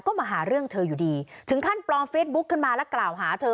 ก็มาหาเรื่องเธออยู่ดีถึงขั้นปลอมเฟซบุ๊คขึ้นมาแล้วกล่าวหาเธอ